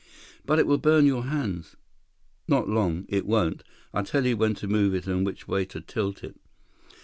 "But it will burn your hands—" "Not long, it won't. I'll tell you when to move it and which way to tilt it."